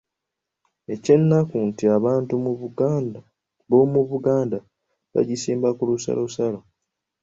Ekyennaku nti abantu b’omu Buganda bagisimba ku lusalosalo.